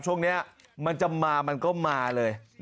ช่วงนี้มันจะมามันก็มาเลย